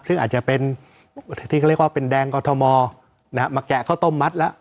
ซึ่งอาจจะเป็นที่เขาเรียกว่าเป็นแดงกอทมมาแกะข้าวต้มมัดแล้ว